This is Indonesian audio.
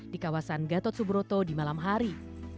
di kawasan gatot subroto di malam hari